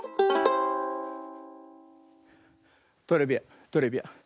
トレビアントレビアン。